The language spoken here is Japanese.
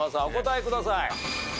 お答えください。